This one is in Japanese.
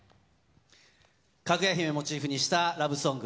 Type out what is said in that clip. かぐや姫をモチーフにしたラブソング。